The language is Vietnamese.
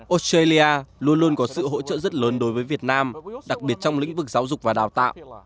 australia luôn luôn có sự hỗ trợ rất lớn đối với việt nam đặc biệt trong lĩnh vực giáo dục và đào tạo